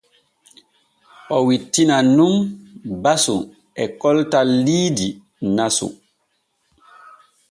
O wittinan nun basu e koltal liidi nasu.